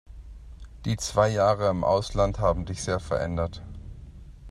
Die zwei Jahre im Ausland haben dich sehr verändert.